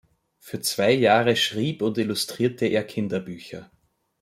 Für zwei Jahre schrieb und illustrierte er Kinderbücher.